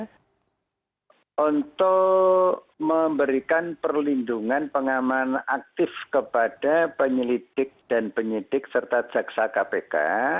nah untuk memberikan perlindungan pengaman aktif kepada penyelidik dan penyidik serta jaksa kpk